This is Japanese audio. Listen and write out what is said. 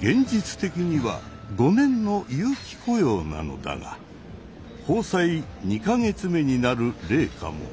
現実的には５年の有期雇用なのだが交際２か月目になる玲香も。